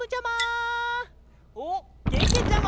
おっけけちゃま！